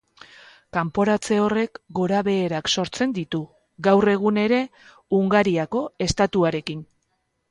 Kanporatze horrek gorabeherak sortzen ditu, gaur egun ere, Hungariako estatuarekin.